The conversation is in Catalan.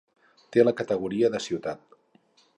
Té la categoria de ciutat.